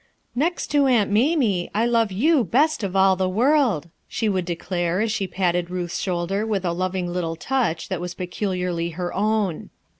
"Next to Aunt Mamie I love you best of all the world " she would declare as she patted Ruth's shoulder with a loving little touch that was peculiarly her own.